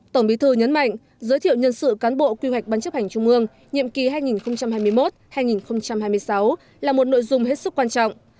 tổng bí thư nhấn mạnh giới thiệu nhân sự cán bộ quy hoạch bán chấp hành trung ương nhiệm kỳ hai nghìn hai mươi một hai nghìn hai mươi sáu là một nội dung hết sức quan trọng